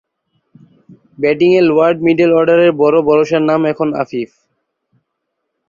ব্যাটিংয়ে lower middle অর্ডারে বড় ভরসার নাম এখন আফিফ